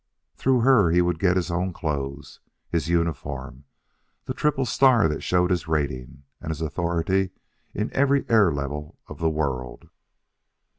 Through her he would get his own clothes, his uniform, the triple star that showed his rating and his authority in every air level of the world.